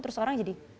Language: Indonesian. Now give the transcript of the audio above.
terus orang jadi